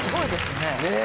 ねえ。